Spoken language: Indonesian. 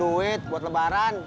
lo mau dah arma